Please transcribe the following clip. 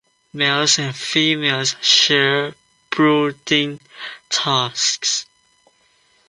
Males and females share brooding tasks.